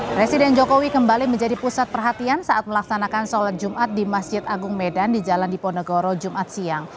presiden jokowi kembali menjadi pusat perhatian saat melaksanakan sholat jumat di masjid agung medan di jalan diponegoro jumat siang